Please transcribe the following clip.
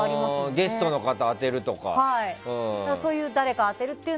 ゲストの方を当てるとか。